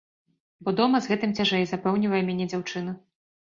Бо дома з гэтым цяжэй, запэўнівае мяне дзяўчына.